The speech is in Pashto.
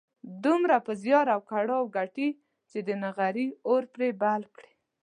دومره په زيار او کړاو ګټي چې د نغري اور پرې بل کړي.